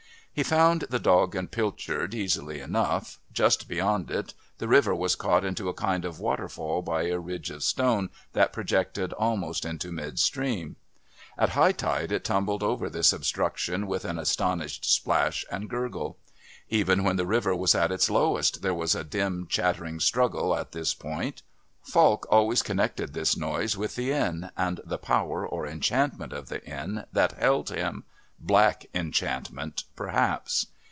He found the "Dog and Pilchard" easily enough. Just beyond it the river was caught into a kind of waterfall by a ridge of stone that projected almost into mid stream. At high tide it tumbled over this obstruction with an astonished splash and gurgle. Even when the river was at its lowest there was a dim chattering struggle at this point. Falk always connected this noise with the inn and the power or enchantment of the inn that held him "Black Enchantment," perhaps.